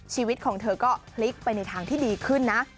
ชีวิตของเธอก็พลิกไปในทางที่ดีขึ้นนะ